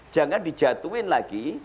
jangan dijatuhin lagi